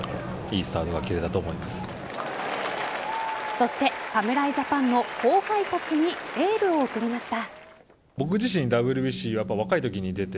そして侍ジャパンの後輩たちにエールを送りました。